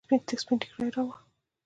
سارا سپين ټکی راووړ.